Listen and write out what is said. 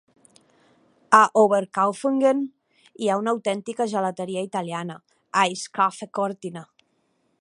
A Oberkaufungen hi ha una autèntica gelateria italiana, Eis Cafe Cortina.